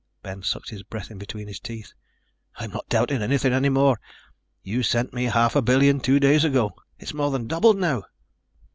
Ben sucked his breath in between his teeth. "I'm not doubting anything any more. You sent me half a billion two days ago. It's more than doubled now."